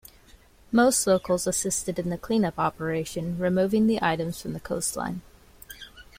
Most locals assisted in the clean-up operation, removing the items from the coastline.